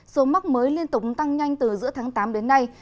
số mắc mới liên tục tăng nhanh từ giữa tháng tám đến nay